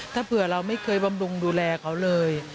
ถ้าเผื่อเราไม่เคยบำรุงดูแลเขาเลย